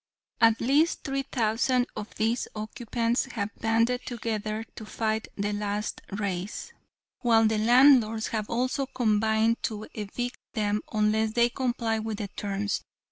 At least three thousand of these occupants have banded together to fight the last raise, while the landlords have also combined to evict them unless they comply with the terms.